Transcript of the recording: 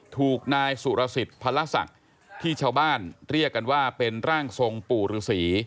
ถูกนายสุรสิทธิ์พระศักดิ์ที่ชาวบ้านเรียกกันว่าเป็นร่างทรงปู่ฤษี